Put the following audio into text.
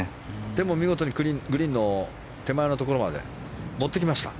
でも、見事にグリーンの手前のところまで持ってきました。